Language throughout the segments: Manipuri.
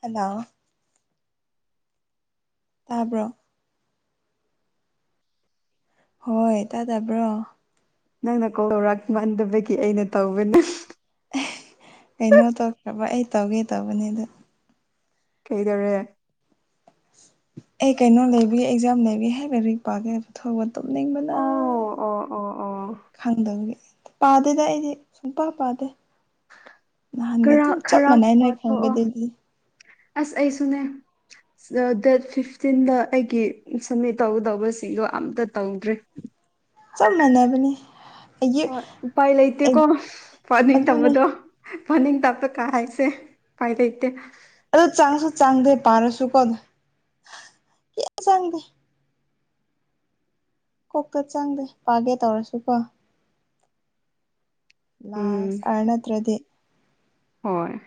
ꯍꯟ ꯅꯥꯎꯑꯣ ꯇꯥꯕ꯭ꯔꯣ ꯍꯣꯏ ꯇꯥ ꯗꯕ꯭ꯔꯣ ꯅꯪꯅ ꯀꯣꯜ ꯇꯧꯔꯛ ꯃꯟꯗꯕꯒꯤ ꯑꯩꯅ ꯇꯧꯕꯅꯦ ꯑꯦ ꯀꯩꯅꯣ ꯇꯧꯈ꯭ꯔꯕ ꯑꯩ ꯇꯧꯒꯦ ꯇꯧꯕꯅꯦꯗ ꯀꯩꯗꯧꯔꯦ ꯑꯩ ꯀꯩꯅꯣ ꯂꯩꯕꯤꯒꯤ ꯑꯦꯛꯖꯥꯝ ꯂꯩꯕꯤ ꯍꯥꯏ ꯥꯂꯥꯏꯔꯤꯛ ꯄꯥꯒꯦ ꯊꯣꯕ ꯇꯨꯝꯅꯤꯡꯕ ꯅ ꯑꯣ ꯑꯣ ꯑꯣ ꯑꯣ ꯈꯪꯗꯕꯒꯤ ꯄꯥꯗꯦꯗ ꯑꯩꯗꯤ ꯁꯨꯡꯄꯥ ꯄꯥꯗꯦ ꯅꯍꯥꯟꯒ ꯈꯔ ꯑꯗꯨꯝ ꯆꯞ ꯈꯔ ꯃꯥꯟꯅꯩ ꯅꯣꯏ ꯄꯥꯊꯣꯛꯑꯣ ꯈꯪꯕꯗꯒꯤ ꯑꯁ ꯑꯩꯁꯨꯅꯦ ꯗꯦꯠ ꯐꯤꯐꯇꯤꯟꯗ ꯑꯩꯒꯤ ꯁꯝꯃꯤꯠ ꯇꯧꯒꯗꯧꯕꯁꯤꯡꯗꯣ ꯑꯝꯇ ꯇꯧꯗ꯭ꯔꯦ ꯆꯞ ꯃꯅꯥꯕꯅꯦ ꯍꯣꯏ ꯎꯄꯥꯏ ꯂꯩꯇꯦꯀꯣ ꯄꯅꯤꯡ ꯑꯗꯨꯅꯦ ꯇꯝꯕꯗꯣ ꯄꯥꯅꯤꯡ ꯇꯥꯄ ꯀꯥ ꯍꯥꯏꯁꯦ ꯎꯄꯥꯏ ꯂꯩꯇꯦ ꯑꯗꯨ ꯆꯪꯁꯨ ꯆꯪꯗꯦ ꯄꯥꯔꯁꯨꯀꯣ ꯀꯩꯝ ꯆꯪꯗꯦ ꯀꯣꯛꯇ ꯆꯪꯗꯦ ꯄꯥꯒꯦ ꯇꯧꯔꯁꯨ ꯀꯣ ꯎꯝ ꯂꯥꯁ ꯑꯔꯅꯠꯇ꯭ꯔꯗꯤ ꯍꯣꯏ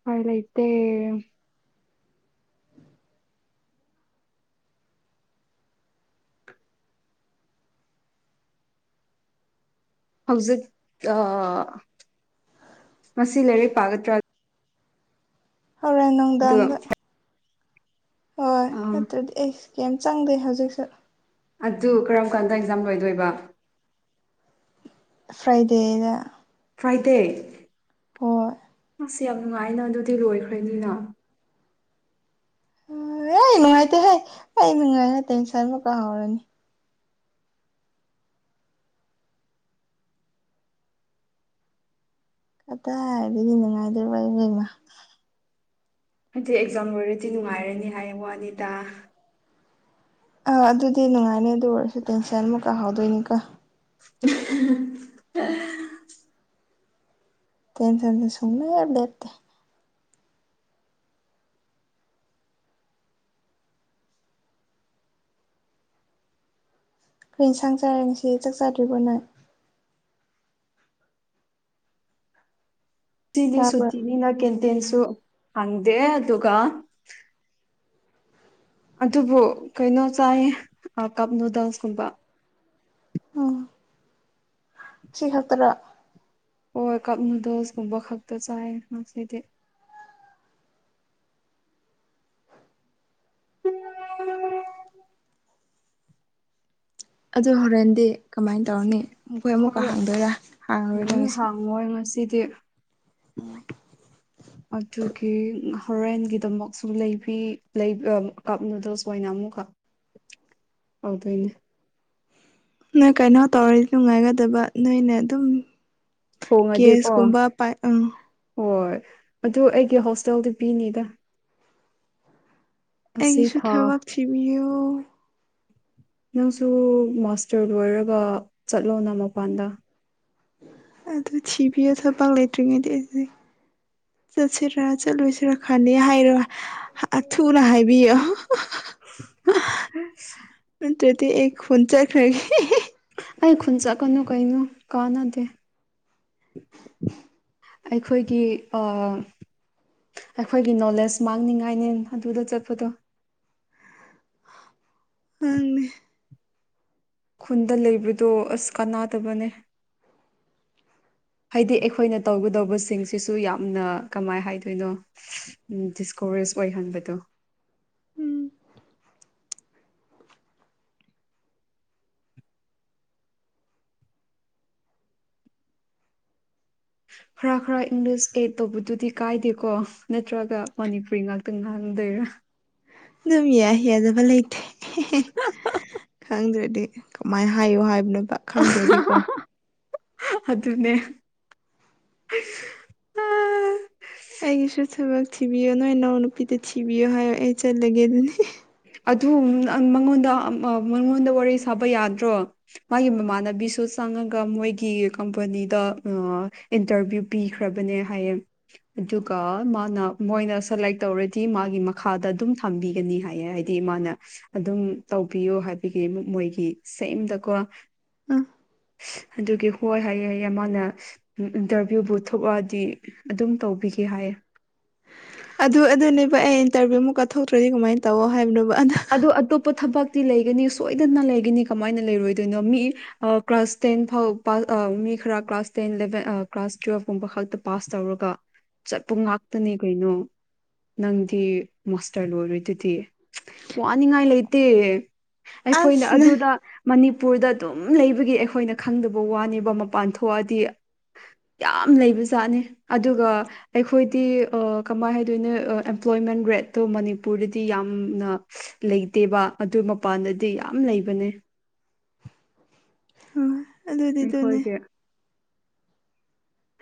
ꯎꯄꯥꯏ ꯂꯩꯇꯦ ꯍꯧꯖꯤꯛ ꯇ ꯉꯁꯤ ꯂꯥꯏꯔꯤꯛ ꯄꯥꯒꯗ꯭ꯔꯥ ꯍꯣꯔꯦꯟ ꯑꯗꯨ ꯅꯨꯡꯗꯥꯡꯗ ꯍꯣꯏ ꯑꯥ ꯅꯠꯇ꯭ꯔꯗꯤ ꯑꯩ ꯀꯩꯝ ꯆꯪꯗꯦ ꯍꯧꯖꯤꯛꯁꯨ ꯑꯗꯨ ꯀꯔꯝ ꯀꯥꯟꯗ ꯑꯦꯛꯖꯥꯝ ꯂꯣꯏꯗꯣꯏꯕ ꯐ꯭ꯔꯥꯏꯗꯦꯗ ꯐ꯭ꯔꯥꯏꯗꯦ ꯍꯣꯏ ꯁꯤ ꯌꯥꯝ ꯅꯨꯡꯉꯥꯏꯅ ꯑꯗꯨꯗꯤ ꯂꯣꯏꯈ꯭ꯔꯅꯤꯅ ꯑꯣ ꯑꯩ ꯅꯨꯡꯉꯥꯏꯇꯦꯍꯦ ꯑꯩ ꯅꯨꯡꯉꯥꯏꯅ ꯇꯦꯟꯁꯟ ꯑꯃꯛꯀ ꯀꯥꯎꯔꯅꯤ ꯑꯇꯩ ꯍꯥꯏꯔꯗꯤ ꯅꯨꯡꯉꯥꯏꯗꯣꯏꯔꯤꯕ ꯏꯕꯦꯝꯃꯥ ꯍꯥꯏꯗꯤ ꯑꯦꯛꯖꯥꯝ ꯂꯣꯏꯔꯗꯤ ꯅꯨꯡꯉꯥꯏꯔꯅꯤ ꯍꯥꯏꯌꯦ ꯋꯥꯅꯤꯗ ꯑꯥ ꯑꯗꯨꯗꯤ ꯅꯨꯡꯉꯥꯏꯅꯤ ꯑꯗꯨ ꯑꯣꯏꯔꯁꯨ ꯇꯦꯟꯁꯟ ꯑꯃꯨꯛꯀꯥ ꯍꯧꯗꯣꯏꯅꯤꯀꯣ [unintelligible] ꯇꯦꯟꯁꯟꯁꯦ ꯁꯨꯛꯂꯦꯞ ꯂꯦꯞꯇꯦ ꯀꯩ ꯏꯟꯁꯥꯡ ꯆꯥꯔꯦ ꯉꯁꯤ ꯆꯥꯛ ꯆꯗ꯭ꯔꯤꯕꯣ ꯅꯪ ꯉꯁꯤꯗꯤ ꯇꯥꯕ꯭ꯔꯥ ꯁꯨꯇꯤꯅꯤꯅ ꯀꯦꯟꯇꯦꯟꯁꯨ ꯍꯥꯡꯗꯦ ꯑꯗꯨꯒ ꯑꯗꯨꯕꯨ ꯀꯩꯅꯣ ꯆꯥꯏꯌꯦ ꯀꯞ ꯅꯨꯗꯜꯁꯀꯨꯝꯕ ꯎꯝ ꯁꯤ ꯈꯠꯇꯔꯥ ꯍꯣꯏ ꯀꯞ ꯅꯨꯗꯜꯁꯀꯨꯝꯕ ꯈꯛꯇ ꯆꯥꯏꯌꯦ ꯉꯁꯤꯗꯤ [inaudible] ꯑꯗꯨ ꯍꯣꯔꯦꯟꯗꯤ ꯀꯃꯥꯏꯅ ꯇꯧꯔꯅꯤ ꯃꯈꯣꯏ ꯑꯃꯨꯛꯀ ꯍꯪꯗꯣꯏꯔꯥ ꯍꯪꯉꯔꯣꯏꯔꯥ ꯉꯁꯤ ꯃꯣꯏ ꯉꯁꯤꯗꯤ ꯑꯗꯨꯒꯤ ꯍꯣꯔꯦꯟꯒꯤꯗꯃꯛꯁꯨ ꯂꯩꯕꯤ ꯂꯩ ꯑꯥ ꯀꯞ ꯅꯨꯗꯜꯁ ꯑꯣꯏꯅ ꯑꯃꯨꯛꯀ ꯑꯣꯏꯗꯣꯏꯅꯦ ꯅꯪ ꯀꯩꯅꯣ ꯇꯧꯔꯗꯤ ꯅꯨꯡꯉꯥꯏꯒꯗꯕ ꯅꯣꯏꯅ ꯑꯗꯨꯝ ꯊꯣꯡꯉꯗꯤꯀꯣ ꯀꯦꯁꯀꯨꯝꯕ ꯄꯥꯏ ꯑꯥ ꯍꯣꯏ ꯑꯗꯨ ꯑꯩꯒꯤ ꯍꯣꯁꯇꯦꯜꯗꯤ ꯄꯤꯅꯤꯗ ꯑꯁꯤ ꯑꯩꯒꯤꯁꯨ ꯊꯥ ꯊꯕꯛ ꯊꯤꯕꯤꯌꯣ ꯅꯪꯁꯨ ꯃꯥꯁꯇꯔ ꯂꯣꯏꯔꯒ ꯆꯠꯂꯣꯅ ꯃꯄꯥꯟꯗ ꯑꯗꯨ ꯊꯤꯕꯤꯌꯣ ꯊꯕꯛ ꯂꯩꯇ꯭ꯔꯤꯉꯩꯗꯤ ꯑꯩꯗꯤ ꯆꯠꯁꯤꯔ ꯆꯠꯂꯣꯏꯁꯤꯔ ꯈꯜꯂꯤꯌꯦ ꯍꯥꯏꯔꯣ ꯊꯨꯅ ꯍꯥꯏꯕꯤꯌꯣ [unintelligible] ꯅꯠꯇꯔꯗꯤ ꯑꯩ ꯈꯨꯟ ꯆꯥꯠꯈꯔꯅꯤ ꯍꯩ ꯈꯨꯟ ꯆꯥꯠꯀꯅꯨ ꯀꯩꯅꯣ ꯀꯥꯟꯅꯗꯦ ꯑꯩꯈꯣꯏꯒꯤ ꯑꯥ ꯑꯩꯈꯣꯏꯒꯤ ꯅꯣꯂꯦꯖ ꯃꯥꯡꯅꯤꯡꯉꯥꯏꯅꯦ ꯑꯗꯨꯗ ꯆꯠꯄꯗꯣ ꯃꯥꯅꯦ ꯈꯨꯟꯗ ꯂꯩꯕꯗꯣ ꯑꯁ ꯀꯥꯅꯗꯕꯅꯦ ꯍꯥꯏꯗꯤ ꯑꯩꯈꯣꯏꯅ ꯇꯧꯒꯗꯧꯕꯁꯤꯡꯁꯤꯁꯨ ꯌꯥꯝꯅ ꯀꯃꯥꯏ ꯍꯥꯏꯗꯣꯏꯅꯣ ꯎꯝ ꯗꯤꯁꯀꯣꯔꯦꯁ ꯑꯣꯏꯍꯟꯕꯗꯣ ꯎꯝ ꯈꯔ ꯈꯔ ꯏꯪꯂꯤꯁ ꯑꯦꯠ ꯇꯧꯕꯗꯨꯗꯤ ꯀꯥꯏꯗꯦꯀꯣ ꯅꯠꯇ꯭ꯔꯒ ꯃꯅꯤꯄꯨꯔꯤ ꯉꯥꯛꯇ ꯉꯥꯡꯗꯣꯏꯔꯥ ꯑꯗꯨꯝ ꯌꯥ ꯌꯥꯗꯕ ꯂꯩꯇꯦ ꯈꯪꯗ꯭ꯔꯗꯤ ꯀꯃꯥꯏ ꯍꯥꯏꯌꯣ ꯍꯥꯏꯕꯅꯣꯕ ꯈꯪꯗ꯭ꯔꯥꯗꯤꯀꯣ ꯑꯗꯨꯅꯦ ꯑꯩꯒꯤꯁꯨ ꯊꯕꯛ ꯊꯤꯕꯤꯌꯣ ꯅꯣꯏ ꯅꯥꯎ ꯅꯨꯄꯤꯗ ꯊꯤꯕꯤꯌꯣ ꯍꯥꯏꯌꯣ ꯑꯩ ꯆꯜꯂꯒꯦ ꯑꯗꯨꯅꯤ ꯑꯗꯨ [unintelligible] ꯃꯉꯣꯟꯗ ꯃꯉꯣꯟꯗ ꯋꯥꯔꯤ ꯁꯥꯕ ꯌꯥꯗ꯭ꯔꯣ ꯃꯥꯒꯤ ꯃꯃꯥꯟꯅꯕꯤꯁꯨ ꯆꯪꯉꯒ ꯃꯣꯏꯒꯤ ꯀꯝꯄꯅꯤꯗ ꯑꯥ ꯏꯟꯇꯔꯚꯤꯌꯨ ꯄꯤꯈ꯭ꯔꯕꯅꯦ ꯍꯥꯏꯌꯦ ꯑꯗꯨꯒ ꯃꯥꯅ ꯃꯣꯏꯅ ꯁꯦꯂꯦꯛ ꯇꯧꯔꯗꯤ ꯃꯥꯒꯤ ꯃꯈꯥꯗ ꯑꯗꯨꯝ ꯊꯝꯕꯤꯒꯅꯤ ꯍꯥꯏ ꯍꯥꯏꯌꯦ ꯍꯥꯏꯗꯤ ꯃꯅꯥ ꯑꯗꯨꯝ ꯇꯧꯕꯤꯌꯨ ꯍꯥꯏꯕꯒꯤ ꯑꯃꯨꯛ ꯃꯣꯏꯒꯤ ꯁꯦꯝꯗꯀꯣ ꯑꯥ ꯑꯗꯨꯒꯤ ꯍꯣꯏ ꯍꯥꯏꯌꯦ ꯍꯥꯏꯌꯦ ꯃꯥꯅ ꯏꯟꯇꯔꯚꯤꯌꯨꯕꯨ ꯊꯣꯛꯑꯗꯤ ꯑꯗꯨꯝ ꯇꯧꯕꯤꯒꯦ ꯍꯥꯏꯌꯦ ꯑꯗꯨ ꯑꯗꯨꯅꯦꯕ ꯑꯩ ꯏꯟꯇꯔꯚꯤꯌꯨ ꯑꯃꯨꯛꯀ ꯊꯣꯛꯇ꯭ꯔꯗꯤ ꯀꯃꯥꯏꯅ ꯇꯧꯋꯣ ꯍꯥꯏꯕꯅꯣ ꯑꯗꯨ ꯑꯇꯣꯞꯄ ꯊꯕꯛꯇꯤ ꯂꯩꯒꯅꯤ ꯁꯣꯏꯗꯅ ꯂꯩꯒꯅꯤ ꯀꯃꯥꯏꯅ ꯂꯩꯔꯣꯏꯗꯣꯏꯅꯣ ꯃꯤ ꯑꯥ ꯀ꯭ꯂꯥꯁ ꯇꯦꯟ ꯐꯥꯎ ꯄꯥꯁ ꯑꯥ ꯃꯤ ꯈꯔ ꯀ꯭ꯂꯥꯁ ꯇꯦꯟ ꯏꯂꯚꯦꯟ ꯑꯥ ꯀ꯭ꯂꯥꯁ ꯇꯨꯌꯦꯜꯐ ꯀꯨꯝꯕ ꯈꯛꯇ ꯄꯥꯁ ꯇꯧꯔꯒ ꯆꯠꯄ ꯉꯥꯛꯇꯥꯅꯦ ꯀꯩꯅꯣ ꯅꯪꯗꯤ ꯃꯥꯁꯇꯔ ꯂꯣꯢꯔꯥꯗꯨꯗꯤ ꯋꯥꯅꯤꯡꯉꯥꯏ ꯂꯩꯇꯦ ꯑꯩꯈꯣꯏꯅ ꯑꯁ ꯅꯪ ꯑꯗꯨꯗꯥ ꯃꯅꯤꯄꯨꯔꯗ ꯑꯗꯨꯝ ꯂꯩꯕꯒꯤ ꯑꯩꯈꯣꯏꯅ ꯈꯪꯗꯕ ꯋꯥꯅꯦꯕꯥ ꯃꯄꯥꯟ ꯊꯣꯛꯑꯥꯗꯤ ꯌꯥꯝ ꯂꯩꯕꯖꯥꯠꯅꯦ ꯑꯗꯨꯒꯥ ꯑꯩꯈꯣꯏꯗꯤ ꯑꯥ ꯀꯃꯥꯏꯅ ꯍꯥꯏꯗꯣꯏꯅꯣ ꯑꯦꯝꯄ꯭ꯂꯣꯏꯃꯦꯟ ꯔꯦꯠꯇꯣ ꯃꯅꯤꯄꯨꯔꯗꯥꯗꯤ ꯌꯥꯝꯅ ꯂꯩꯇꯦꯕꯥ ꯑꯗꯨ ꯃꯄꯥꯟꯗꯥꯗꯤ ꯌꯥꯝ ꯂꯩꯕꯅꯦ ꯑꯗꯨꯅꯦ ꯑꯗꯨꯅꯦ ꯑꯩꯈꯣꯏꯒꯤ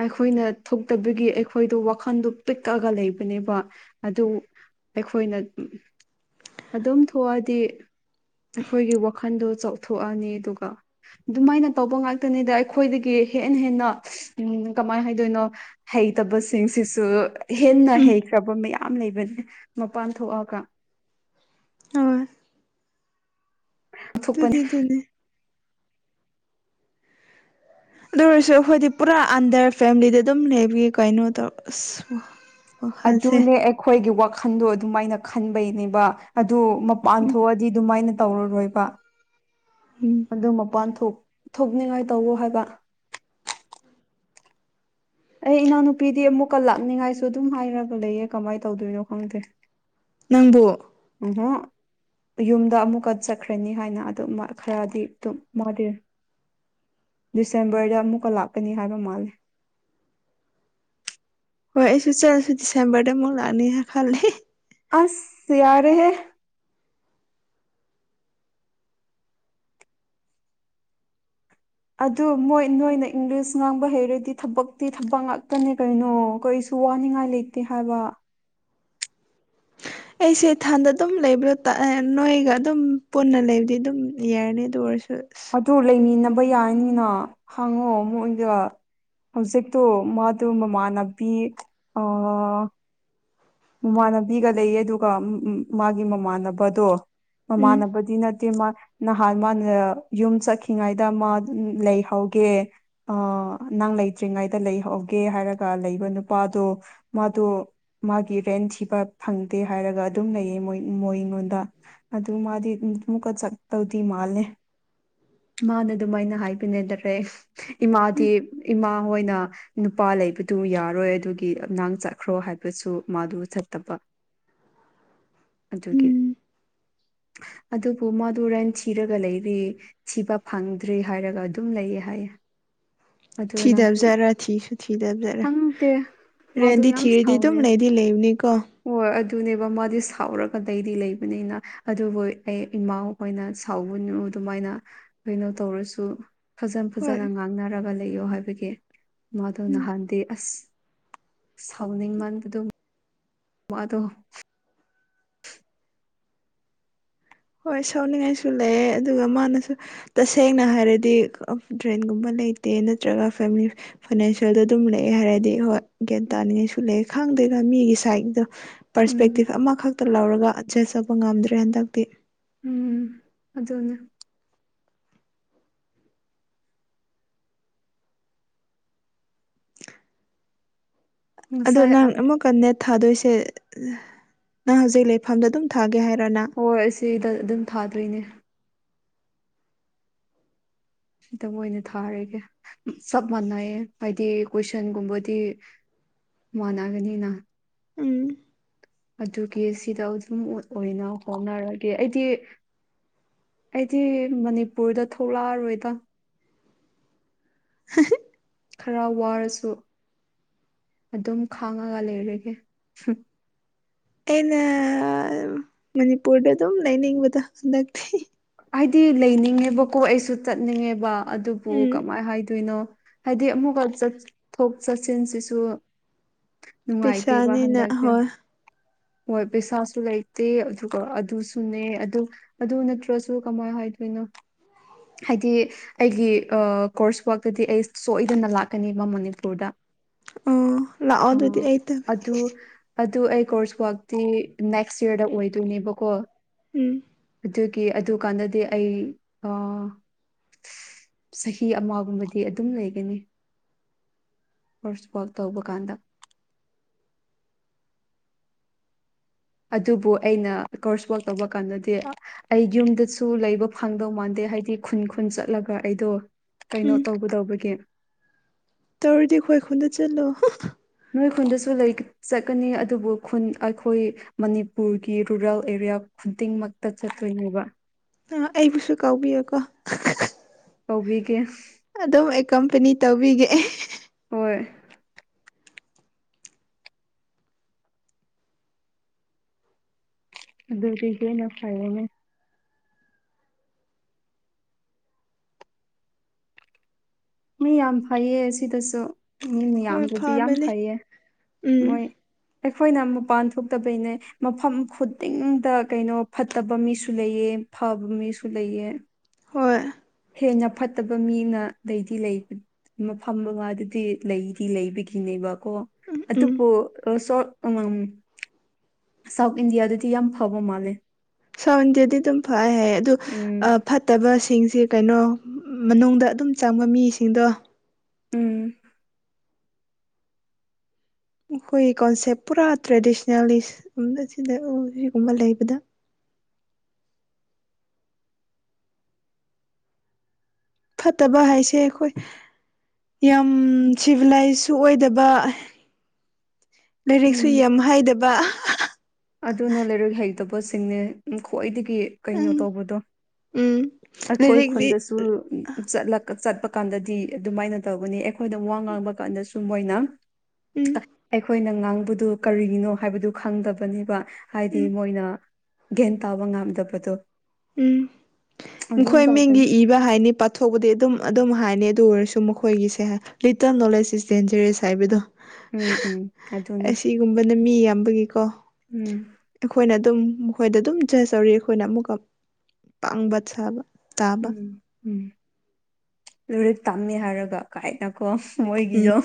ꯑꯩꯈꯣꯏꯅ ꯊꯣꯛꯇꯕꯒꯤ ꯑꯩꯈꯣꯏꯗꯣ ꯋꯥꯈꯟꯗꯣ ꯄꯤꯛꯑꯥꯒ ꯂꯩꯕꯅꯦꯕꯥ ꯑꯗꯨ ꯑꯩꯈꯣꯏꯅ ꯑꯗꯨꯝ ꯊꯣꯛꯑꯥꯗꯤ ꯑꯩꯈꯣꯏꯒꯤ ꯋꯥꯈꯟꯗꯣ ꯆꯥꯎꯊꯣꯛꯑꯥꯅꯤ ꯑꯗꯨꯒꯥ ꯑꯗꯨꯃꯥꯏꯅ ꯇꯧꯕ ꯉꯥꯛꯇꯥꯅꯤꯗ ꯑꯩꯈꯣꯏꯗꯥꯒꯤ ꯍꯦꯟꯅ ꯍꯦꯟꯅ ꯎꯝ ꯀꯃꯥꯏ ꯍꯥꯏꯗꯣꯏꯅꯣ ꯍꯩꯇꯥꯕꯁꯤꯡꯁꯤꯁꯨ ꯍꯦꯟꯅ ꯎꯝ ꯍꯩꯈ꯭ꯔꯕ ꯃꯌꯥꯝ ꯂꯩꯕꯥꯅꯤ ꯃꯄꯥꯟ ꯊꯣꯛꯑꯥꯒꯥ ꯍꯣꯏ ꯊꯣꯛꯄꯅꯦ ꯗꯨꯗꯤ ꯗꯨꯅꯦ ꯑꯗꯨ ꯑꯣꯏꯔꯁꯨ ꯑꯩꯈꯣꯏꯗꯤ ꯄꯨꯔꯥ ꯑꯟꯗꯔ ꯐꯦꯃꯤꯂꯤꯗ ꯑꯗꯨꯝ ꯂꯩꯕꯒꯤ ꯀꯩꯅꯣ ꯇꯧ ꯑꯁ ꯋꯥꯈꯜꯁꯦ ꯑꯗꯨꯅꯦ ꯑꯩꯈꯣꯏꯒꯤ ꯋꯥꯈꯟꯗꯣ ꯑꯗꯨꯝꯃꯥꯏꯅ ꯈꯟꯕꯩꯅꯦꯕꯥ ꯑꯗꯨ ꯃꯄꯥꯟ ꯎꯝ ꯊꯣꯛꯑꯗꯤ ꯗꯨꯃꯥꯏꯅ ꯇꯧꯔꯥꯔꯣꯏꯕ ꯎꯝ ꯑꯗꯨ ꯃꯄꯥꯟ ꯊꯣꯛ ꯊꯣꯛꯅꯤꯡꯉꯥꯏ ꯇꯧꯋꯣ ꯍꯥꯏꯕ ꯑꯩ ꯏꯅꯥꯎ ꯅꯨꯄꯤꯗꯤ ꯑꯃꯨꯛ ꯀꯣ ꯂꯥꯛꯅꯤꯡꯉꯥꯏꯁꯨ ꯑꯗꯨꯝ ꯍꯥꯏꯔꯒ ꯂꯩꯌꯦ ꯀꯃꯥꯏ ꯇꯧꯗꯣꯏꯅꯣ ꯈꯪꯗꯦ ꯅꯪꯕꯨ ꯑ [inaudible] ꯌꯨꯝꯗ ꯑꯃꯨꯛꯀꯥ ꯆꯠꯈ꯭ꯔꯅꯤ ꯍꯥꯏꯅ ꯑꯗꯨꯝ ꯈꯔꯗꯤ ꯑꯗꯨꯝ ꯃꯥꯗꯤ ꯗꯤꯁꯦꯝꯕ꯭ꯔꯗ ꯑꯃꯨꯛꯀꯥ ꯂꯥꯛꯀꯥꯅꯤ ꯍꯥꯏꯕ ꯃꯥꯜꯂꯦ ꯍꯣꯏ ꯑꯩꯁꯨ ꯆꯠꯂꯁꯨ ꯗꯤꯁꯦꯝꯕ꯭ꯔꯗ ꯑꯃꯨꯛ ꯂꯥꯛꯅꯤꯅꯥ ꯈꯜꯂꯦ ꯑꯥꯁ ꯌꯥꯔꯦꯍꯦ ꯑꯗꯨ ꯃꯣꯏ ꯅꯣꯏꯅ ꯏꯪꯂꯤꯁ ꯉꯥꯡꯕ ꯍꯩꯔꯗꯤ ꯊꯕꯛꯇꯤ ꯊꯕꯛ ꯉꯥꯛꯇꯅꯦ ꯀꯩꯅꯣ ꯀꯩ ꯋꯥꯅꯤꯡꯉꯥꯏ ꯂꯩꯇꯦ ꯍꯥꯏꯕ ꯑꯩꯁꯦ ꯊꯟꯗ ꯑꯗꯨꯝ ꯂꯩꯕ꯭ꯔꯣ ꯅꯣꯏꯒ ꯑꯗꯨꯝ ꯄꯨꯟꯅ ꯂꯩꯕꯗꯤ ꯑꯗꯨꯝ ꯌꯥꯔꯅꯤ ꯑꯗꯨ ꯑꯣꯏꯔꯁꯨ ꯑꯁ ꯑꯗꯨ ꯂꯩꯃꯤꯟꯅꯕ ꯌꯥꯔꯅꯤꯅ ꯍꯪꯉꯣ ꯃꯣꯏꯗꯥ ꯍꯧꯖꯤꯛꯇꯣ ꯃꯗꯨ ꯃꯃꯥꯟꯅꯕꯤ ꯑꯥ ꯃꯃꯥꯟꯅꯕꯤꯒꯥ ꯂꯩꯌꯦ ꯑꯗꯨꯒ ꯃꯥꯒꯤ ꯃꯃꯥꯟꯅꯕꯥꯗꯣ ꯎꯝ ꯃꯃꯥꯟꯅꯕꯗꯤ ꯅꯠꯇꯦ ꯃꯥ ꯅꯍꯥꯟ ꯃꯥꯅ ꯌꯨꯝ ꯆꯠꯈꯤꯉꯩꯗ ꯃꯥ ꯃꯥꯗꯣ ꯂꯩꯍꯧꯒꯦ ꯑꯥ ꯅꯪ ꯂꯩꯇ꯭ꯔꯤꯉꯩꯗ ꯂꯩꯍꯧꯒꯦ ꯍꯥꯏꯔꯒ ꯂꯩꯕ ꯅꯨꯄꯥꯗꯣ ꯃꯥꯗꯣ ꯃꯥꯒꯤ ꯔꯦꯟ ꯊꯤꯕ ꯐꯪꯗꯦ ꯍꯥꯏꯔꯒ ꯑꯗꯨꯝ ꯂꯩꯌꯦ ꯃꯣꯏ ꯃꯣꯢꯉꯣꯟꯗꯥ ꯑꯗꯨ ꯃꯥꯗꯤ [unintelligible] ꯑꯃꯨꯛꯀ ꯆꯠꯇꯧꯗꯤ ꯃꯥꯜꯂꯦ ꯃꯥꯅ ꯑꯗꯨꯃꯥꯏꯅ ꯍꯥꯏꯕ [unintelligible] ꯏꯃꯥꯗꯤ ꯎꯝ ꯏꯃꯥ ꯍꯣꯏꯅ ꯅꯨꯄꯥ ꯂꯩꯕꯗꯨ ꯌꯥꯔꯣꯏ ꯑꯗꯨꯒꯤ ꯅꯪ ꯆꯠꯈ꯭ꯔꯣ ꯍꯥꯏꯕꯁꯨ ꯃꯥꯗꯨ ꯆꯠꯇꯥꯕ ꯑꯗꯨꯒꯤ ꯎꯝ ꯑꯗꯨꯕꯨ ꯃꯥꯗꯨ ꯔꯦꯟ ꯊꯤꯔꯥꯒ ꯂꯩꯔꯤ ꯊꯤꯕ ꯐꯪꯗ꯭ꯔꯤ ꯍꯥꯏꯔꯥꯒ ꯑꯗꯨꯝ ꯂꯩꯌꯦ ꯍꯥꯏꯌꯦ ꯑꯗꯨ ꯅꯪꯁꯨ ꯊꯤꯗꯥꯕꯥꯖꯔꯥ ꯊꯤꯁꯨ ꯊꯤꯗꯥꯕꯥꯖꯔꯥ ꯈꯪꯗꯦ ꯃꯥꯗꯣ ꯔꯦꯟꯗꯤ ꯌꯥꯝ ꯊꯤꯔꯗꯤ ꯑꯗꯨꯝ ꯁꯥꯎꯅꯩ ꯂꯩꯗꯤ ꯂꯩꯕꯅꯤꯀꯣ ꯍꯣꯏ ꯑꯗꯨꯅꯦꯕ ꯃꯥꯗꯤ ꯁꯥꯎꯔꯒꯂꯩꯗꯤ ꯂꯩꯕꯅꯤꯅ ꯑꯗꯨꯕꯨ ꯑꯩ ꯏꯃꯥꯍꯣꯏ ꯁꯥꯎꯕꯅꯨ ꯑꯗꯨꯃꯥꯏꯅ ꯀꯩꯅꯣ ꯇꯧꯔꯁꯨ ꯐꯖꯟ ꯍꯣꯏ ꯐꯖꯅ ꯉꯥꯡꯅꯔꯒ ꯂꯩ ꯂꯩꯌꯣ ꯍꯥꯏꯕꯒꯤ ꯃꯥꯗꯣ ꯎꯝ ꯅꯍꯥꯟꯗꯤ ꯑꯁ ꯁꯥꯎꯅꯤꯡ ꯃꯟꯕꯗꯨ ꯃꯗꯣ ꯍꯣꯏ ꯁꯥꯎꯅꯤꯡꯉꯥꯏꯁꯨ ꯂꯩ ꯑꯗꯨꯒ ꯃꯥꯅꯁꯨ ꯇꯁꯦꯡꯅ ꯍꯥꯏꯔꯗꯤ ꯗ꯭ꯔꯦꯟꯒꯨꯝꯕ ꯂꯩꯇꯦ ꯅꯠꯇ꯭ꯔꯒ ꯐꯦꯃꯤꯂꯤ ꯐꯥꯏꯅꯥꯟꯁꯦꯜꯗ ꯑꯗꯨꯝ ꯂꯩꯌꯦ ꯍꯥꯏꯔꯗꯤ ꯍꯣꯏ ꯒ꯭ꯌꯥꯟ ꯇꯥꯅꯤꯡꯉꯥꯏꯁꯨ ꯂꯩꯌꯦ ꯈꯪꯗꯦꯗ ꯃꯤꯒꯤ ꯁꯥꯏꯒꯤꯗꯣ ꯄꯔꯁꯄꯦꯛꯇꯤꯞ ꯎꯝ ꯑꯃꯈꯛꯇ ꯂꯧꯔꯒ ꯖꯥꯁ ꯇꯧꯕ ꯉꯝꯗ꯭ꯔꯦ ꯍꯟꯗꯛꯇꯤ ꯑꯗꯨꯅꯤ ꯑꯗꯣ ꯉꯁꯥꯏ ꯅꯪ ꯑꯃꯨꯛꯀ ꯅꯦꯠ ꯊꯥꯗꯣꯏꯁꯦ ꯅꯪ ꯍꯧꯖꯤꯛ ꯂꯩꯐꯝꯗ ꯑꯗꯨꯝ ꯊꯥꯒꯦ ꯍꯥꯏꯔꯣ ꯅꯪ ꯍꯣꯏ ꯑꯁꯤꯗ ꯑꯗꯨꯝ ꯊꯥꯗꯣꯏꯅꯦ ꯗ ꯑꯣꯏꯅ ꯊꯥꯔꯒꯦ ꯆꯞ ꯃꯥꯟꯅꯩꯌꯦ ꯍꯥꯏꯗꯤ ꯀꯣꯏꯁꯟꯒꯨꯝꯕꯗꯤ ꯃꯅꯥꯒꯅꯤꯅ ꯎꯝ ꯑꯗꯨꯒꯤ ꯁꯤꯗꯜ ꯁꯨꯝ ꯑꯣꯏꯅ ꯍꯣꯠꯅꯔꯒꯦ ꯑꯩꯗꯤ ꯑꯩꯗꯤ ꯃꯅꯤꯄꯨꯔꯗ ꯊꯣꯛꯂꯛꯑꯔꯣꯏꯗ ꯈꯔ ꯋꯥꯔꯁꯨ ꯑꯗꯨꯝ ꯈꯥꯡꯉꯒ ꯂꯩꯔꯒꯦ ꯑꯩꯅ ꯃꯅꯤꯄꯨꯔꯗ ꯑꯗꯨꯝ ꯂꯩꯅꯤꯡꯕꯗꯣ ꯍꯟꯗꯛꯇꯤ ꯍꯥꯏꯗꯤ ꯂꯩꯅꯤꯡꯉꯦꯕꯀꯣ ꯑꯩꯁꯨ ꯆꯠꯅꯤꯡꯉꯦꯕ ꯑꯗꯨꯕꯨ ꯎꯝ ꯀꯃꯥꯏ ꯍꯥꯏꯗꯣꯏꯅꯣ ꯍꯥꯏꯗꯤ ꯑꯃꯨꯛꯀ ꯆꯠꯊꯣꯛ ꯆꯠꯁꯤꯟꯁꯤꯁꯨ ꯅꯨꯡꯉꯉꯥꯏꯇꯦꯕ ꯄꯩꯁꯥꯅꯤꯅ ꯍꯟꯗꯛꯇꯤ ꯍꯣꯏ ꯍꯣꯏ ꯄꯩꯁꯥꯁꯨ ꯂꯩꯇꯦ ꯑꯗꯨꯒ ꯑꯗꯨꯁꯨꯅꯦ ꯑꯗꯨ ꯑꯗꯨ ꯅꯠꯇ꯭ꯔꯁꯨ ꯁꯨꯨ ꯀꯃꯥꯏ ꯍꯥꯏꯗꯣꯏꯅꯣ ꯍꯥꯏꯗꯤ ꯑꯩꯒꯤ ꯑꯥ ꯀꯣꯔꯁ ꯋꯥꯛꯇꯗꯤ ꯑꯩ ꯁꯣꯏꯗꯅ ꯂꯥꯛꯀꯅꯤꯕ ꯃꯅꯤꯄꯨꯔꯗ ꯑꯣ ꯂꯥꯛꯑꯣ ꯑꯗꯨꯗꯤ ꯑꯥ ꯑꯩ ꯇꯧꯒꯦ ꯑꯠ ꯑꯗꯨ ꯑꯗꯨ ꯑꯩ ꯀꯣꯔꯁ ꯋꯥꯥꯛꯇꯤ ꯅꯦꯛꯁ ꯌꯔꯗ ꯑꯣꯏꯗꯣꯏꯅꯦꯕꯀꯣ ꯎꯝ ꯑꯗꯨꯒꯤ ꯑꯗꯨ ꯀꯥꯟꯗꯗꯤ ꯑꯩ ꯑꯥ ꯆꯥꯍꯤ ꯑꯃꯒꯨꯝꯕꯗꯤ ꯑꯗꯨꯝ ꯂꯩꯒꯅꯤ ꯀꯣꯁꯋꯥꯛ ꯇꯧꯕ ꯀꯥꯟꯗ ꯑꯗꯨꯕꯨ ꯑꯩꯅ ꯀꯣꯔꯁ ꯋꯛ ꯇꯧꯕ ꯀꯥꯟꯗꯗꯤ ꯑꯩ ꯌꯨꯝꯗꯁꯨ ꯂꯩꯕ ꯐꯪꯗꯧ ꯃꯥꯟꯗꯦ ꯍꯥꯏꯗꯤ ꯈꯨꯟ ꯈꯨꯟ ꯆꯠꯂꯒ ꯑꯩꯗꯣ ꯀꯩꯅꯣ ꯎꯝ ꯇꯧꯕꯗꯧꯕꯒꯤ ꯇꯧꯔꯗꯤ ꯑꯈꯣꯏ ꯈꯨꯟꯗ ꯆꯠꯂꯣ ꯍꯥ ꯍꯥ ꯅꯣꯏ ꯈꯨꯟꯗꯁꯨ ꯂꯩ ꯆꯠꯀꯅꯤ ꯑꯗꯨꯕꯨ ꯈꯨꯟ ꯑꯈꯣꯏ ꯃꯅꯤꯄꯨꯔꯒꯤ ꯔꯨꯔꯦꯜ ꯑꯦꯔꯤꯌꯥ ꯈꯨꯗꯤꯡꯃꯛꯇ ꯆꯠꯇꯣꯏꯅꯦꯕ ꯑꯥ ꯑꯩꯕꯨꯁꯨ ꯀꯥꯎꯕꯤꯌꯨꯀꯣ ꯀꯧꯕꯤꯒꯦ ꯑꯗꯨꯝ ꯑꯩ ꯀꯝꯄꯅꯤ ꯇꯧꯕꯤꯒꯦ ꯍꯣꯏ ꯑꯗꯨꯗꯤ ꯍꯦꯟꯅ ꯐꯔꯦꯅꯦ ꯃꯤ ꯌꯥꯝ ꯐꯩꯌꯦ ꯁꯤꯗꯁꯨ ꯃꯤ ꯍꯣꯏ ꯃꯌꯥꯝꯕꯨꯗꯤ ꯌꯥꯝ ꯐꯕꯅꯦ ꯐꯩꯌꯦ ꯎꯝ ꯃꯣꯏ ꯑꯩꯈꯣꯏꯅ ꯃꯄꯥꯟ ꯊꯣꯛꯇꯕꯩꯅꯦ ꯃꯐꯝ ꯈꯨꯗꯤꯡꯗ ꯀꯩꯅꯣ ꯐꯠꯇꯕ ꯃꯤꯁꯨ ꯂꯩꯌꯦ ꯐꯕ ꯃꯤꯁꯨ ꯂꯩꯌꯦ ꯍꯣꯏ ꯍꯦꯟꯅ ꯐꯠꯇꯕ ꯃꯤꯅ ꯂꯩꯗꯤ ꯂꯩꯕꯟ ꯃꯐꯝ ꯃꯉꯥ ꯗꯨꯗꯤ ꯂꯩꯗꯤ ꯂꯩꯕꯒꯤꯅꯦꯕꯀꯣ ꯎꯝ ꯑꯗꯨꯕꯨ ꯑꯁꯣꯠ ꯎꯝ ꯁꯥꯎꯠ ꯏꯟꯗꯤꯌꯥꯗꯗꯤ ꯌꯥꯝ ꯐꯕ ꯃꯥꯜꯂꯦ ꯁꯣꯟꯗꯦꯗꯤꯗꯨꯝ ꯐꯩꯏ ꯍꯥꯏꯌꯦ ꯑꯗꯨ ꯑꯞ ꯎꯝ ꯐꯠꯇꯕꯁꯤꯡꯁꯦ ꯀꯩꯅꯣ ꯃꯅꯨꯡꯗ ꯑꯗꯨꯝ ꯆꯪꯕ ꯃꯤꯁꯤꯡꯗꯣ ꯎꯝ ꯑꯩꯈꯣꯏꯒꯤ ꯀꯣꯟꯁꯦꯞ ꯄꯨꯔꯥ ꯇ꯭ꯔꯦꯗꯤꯁꯅꯦꯜꯂꯤꯁ [unintelligible] ꯁꯤꯒꯨꯝꯕ ꯂꯩꯕꯗ ꯐꯠꯇꯕ ꯍꯥꯏꯁꯦ ꯑꯩꯈꯣꯏ ꯌꯥꯝ ꯁꯤꯚꯤꯂꯥꯏꯁꯁꯨ ꯑꯣꯏꯗꯕ ꯂꯥꯏꯔꯤꯛꯁꯨ ꯎꯝ ꯌꯥꯝ ꯍꯥꯏꯗꯕ ꯑꯗꯨꯅ ꯂꯥꯏꯔꯤꯛ ꯍꯩꯇꯕꯁꯤꯡꯅꯦ ꯎꯝ ꯈꯣꯏꯗꯒꯤ ꯀꯩꯅꯣ ꯎꯝ ꯇꯧꯕꯗꯣ ꯎꯝ ꯑꯩꯈꯣꯏ ꯂꯥꯏꯔꯤꯛꯇꯤ ꯈꯨꯟꯗꯁꯨ ꯆꯠꯂꯀ ꯆꯠꯄ ꯀꯥꯟꯗꯗꯤ ꯑꯗꯨꯃꯥꯏꯅ ꯇꯧꯒꯅꯤ ꯑꯦꯈꯣꯏꯗ ꯋꯥ ꯉꯥꯡꯕ ꯀꯥꯟꯗꯁꯨ ꯃꯣꯏꯅ ꯎꯝ ꯇ ꯑꯩꯈꯣꯏꯅ ꯉꯥꯡꯕꯗꯨ ꯀꯔꯤꯒꯤꯅꯣ ꯍꯥꯏꯕꯗꯨ ꯈꯪꯗꯕꯅꯦ ꯍꯥꯏꯗꯤ ꯎꯝ ꯃꯣꯏꯅ ꯒꯦ꯭ꯌꯥꯟ ꯇꯥꯕ ꯉꯝꯗꯕꯗꯣ ꯎꯝ ꯑꯗꯨꯝ ꯃꯈꯣꯏ ꯇꯧꯕꯅꯦ ꯃꯤꯡꯒꯤ ꯏ ꯕꯍꯥꯏꯅꯤ ꯄꯥꯊꯣꯛꯄꯗꯤ ꯑꯗꯨꯝ ꯑꯗꯨꯝ ꯍꯥꯏꯅꯤ ꯑꯗꯨ ꯑꯣꯏꯔꯁꯨ ꯃꯈꯣꯏꯒꯤꯁꯦ ꯂꯤꯇꯜ ꯅꯣꯂꯦꯖ ꯏꯁꯇꯦꯟꯖꯦꯔꯦꯁ ꯍꯥꯏꯕꯗꯣ ꯎꯝ ꯎꯝ ꯑꯗꯨꯅꯦ ꯒꯨꯝꯕꯅꯦ ꯃꯤ ꯌꯥꯝꯕꯒꯤꯀꯣ ꯎꯝ ꯑꯩꯈꯣꯏꯅ ꯑꯗꯨꯝ ꯃꯈꯣꯏꯗ ꯑꯗꯨꯝ ꯖꯁ ꯇꯧꯔꯤ ꯑꯩꯈꯣꯏꯅ ꯑꯃꯨꯛꯀ ꯄꯥꯡꯕ ꯁꯥꯕ ꯇꯥꯕ ꯎꯝ ꯎꯝ ꯂꯨꯏꯔꯤꯛ ꯇꯝꯅꯤ ꯍꯥꯏꯔꯒ ꯀꯥꯏꯗꯀꯣ ꯎꯝ ꯃꯣꯏꯒꯤꯌꯣ